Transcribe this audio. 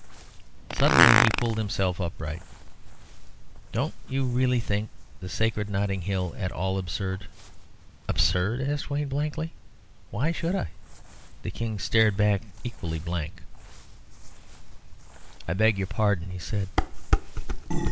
Suddenly he pulled himself upright. "Don't you really think the sacred Notting Hill at all absurd?" "Absurd?" asked Wayne, blankly. "Why should I?" The King stared back equally blankly. "I beg your pardon," he said.